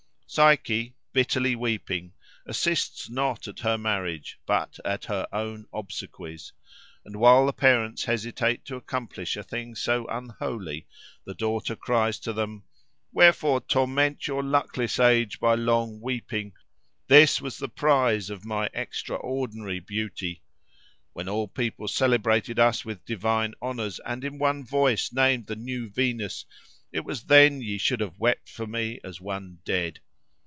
Psyche, bitterly weeping, assists not at her marriage but at her own obsequies, and while the parents hesitate to accomplish a thing so unholy the daughter cries to them: "Wherefore torment your luckless age by long weeping? This was the prize of my extraordinary beauty! When all people celebrated us with divine honours, and in one voice named the New Venus, it was then ye should have wept for me as one dead.